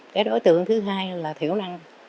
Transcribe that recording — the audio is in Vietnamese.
cái đối tượng thứ hai là thiểu năng